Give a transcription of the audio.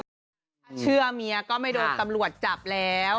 เชื่อเมียก็ไม่โดนตำรวจจับแล้ว